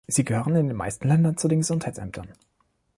Sie gehören in den meisten Ländern zu den Gesundheitsämtern.